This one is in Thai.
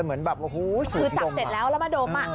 เหมือนแบบโอ้โหคือจับเสร็จแล้วแล้วมาดม